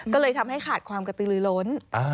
ก็เลยทำให้ขาดความกระตือลือล้น